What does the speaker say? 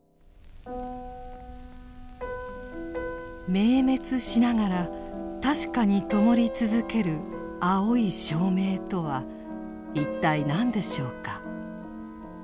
「明滅しながらたしかにともりつづける青い照明」とは一体何でしょうか。